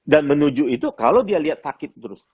dan menuju itu kalau dia lihat sakit terus